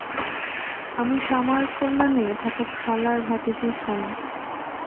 আমি শামার কল্যাণে থাকা খালার ভাতিজির স্বামী।